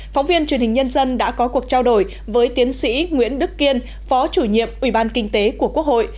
phóng viên truyền hình nhân dân đã có cuộc trao đổi với tiến sĩ nguyễn đức kiên phó chủ nhiệm ủy ban kinh tế của quốc hội